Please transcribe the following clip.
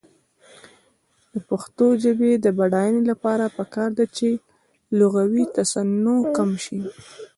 د پښتو ژبې د بډاینې لپاره پکار ده چې لغوي تصنع کم شي.